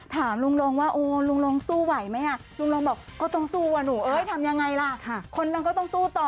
ถามลุงลงว่าโอ้ลุงลงสู้ไหวไหมลุงลงบอกก็ต้องสู้อะหนูเอ้ยทำยังไงล่ะคนเราก็ต้องสู้ต่อ